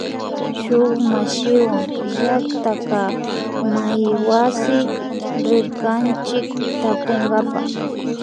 Shuk mishuwa llaktakamaywasi rirkanchik tapunkapa